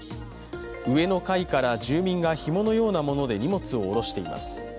上の階から住民がひものようなもので荷物を下ろしています。